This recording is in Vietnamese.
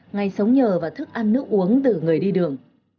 ngày sống nhờ và thức ăn nước uống từ người đi đường